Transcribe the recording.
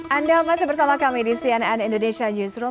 anda masih bersama kami di cnn indonesia newsroom